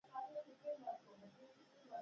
ډاربي د هغو څو برياليو کسانو په ډله کې دی.